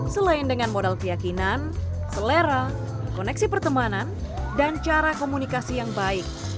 selain dengan modal keyakinan selera koneksi pertemanan dan cara komunikasi yang baik